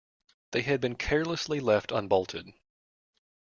They had been carelessly left unbolted.